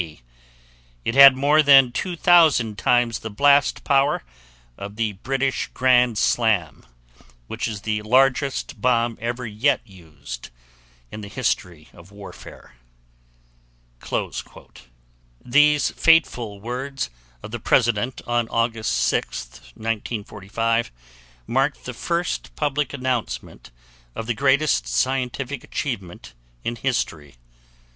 T. It had more than two thousand times the blast power of the British Grand Slam, which is the largest bomb ever yet used in the history of warfare". These fateful words of the President on August 6th, 1945, marked the first public announcement of the greatest scientific achievement in history.